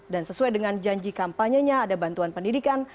dan sesuai dengan janji kampanyenya ada bantuan pendidikan